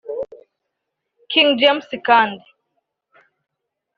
King James kandi